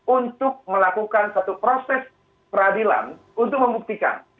untuk melakukan satu proses peradilan untuk membuktikan